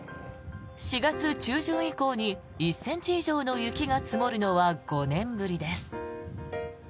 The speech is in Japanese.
４月中旬以降に１ｃｍ以上の雪が積もるのは５年ぶりです。